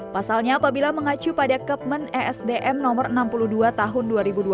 pasalnya apabila mengacu pada kepmen esdm no enam puluh dua tahun dua ribu dua puluh